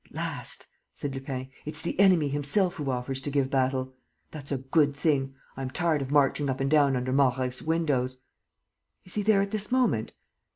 "At last," said Lupin, "it's the enemy himself who offers to give battle. That's a good thing! I am tired of marching up and down under Malreich's windows." "Is he there at this moment?"